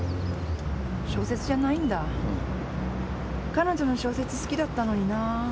彼女の小説好きだったのになぁ。